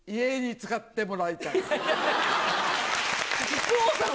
木久扇さん。